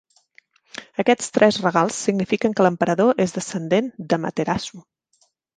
Aquests tres regals signifiquen que l'emperador és descendent d'Amaterasu.